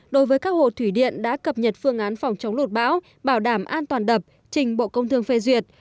đối với các hồ thủy điện đã cập nhật phương án phòng chống lụt bão bảo đảm an toàn đập trình bộ công thương phê duyệt